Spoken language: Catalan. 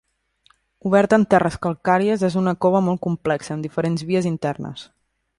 Oberta en terres calcàries, és una cova molt complexa, amb diferents vies internes.